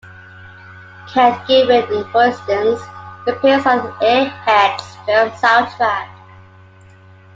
"Can't Give In," for instance, appears on the "Airheads" film soundtrack.